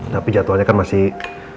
tapi jadwalnya kan masih